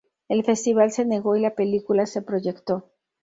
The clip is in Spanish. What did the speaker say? El festival se negó y la película se proyectó.